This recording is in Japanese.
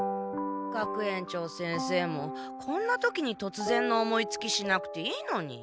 学園長先生もこんな時にとつぜんの思いつきしなくていいのに。